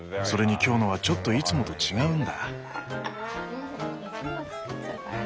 それに今日のはちょっといつもと違うんだ。